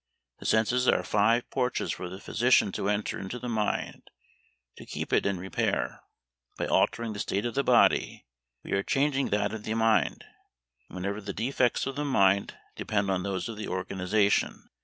The senses are five porches for the physician to enter into the mind, to keep it in repair. By altering the state of the body, we are changing that of the mind, whenever the defects of the mind depend on those of the organization.